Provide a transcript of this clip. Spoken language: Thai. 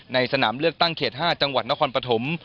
สนามเลือกตั้งเขต๕จังหวัดนครปฐม